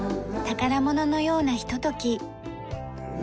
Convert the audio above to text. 宝物のようなひととき。